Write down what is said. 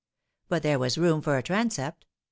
But there was room for a transept.